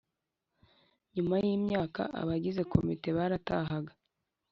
Nyuma y’impaka abagize komite baratahaga